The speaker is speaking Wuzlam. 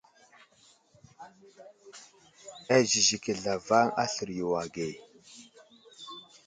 Azəziki zlavaŋ aslər yo age.